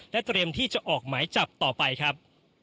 เตรียมที่จะออกหมายจับต่อไปครับ